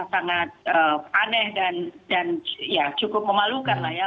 sangat aneh dan ya cukup memalukan lah ya